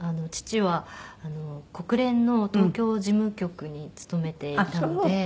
父は国連の東京事務局に勤めていたので。